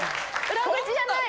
裏口じゃない。